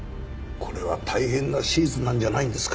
これは大変な手術なんじゃないんですか？